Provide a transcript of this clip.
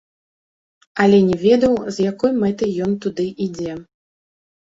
Але не ведаў, з якой мэтай ён туды ідзе.